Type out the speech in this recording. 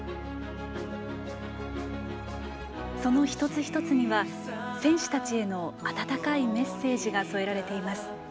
その一つ一つには選手たちへの温かいメッセージが添えられています。